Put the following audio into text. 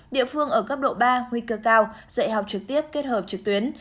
địa phương ở cấp độ ba nguy cơ cao dạy học trực tiếp kết hợp trực tuyến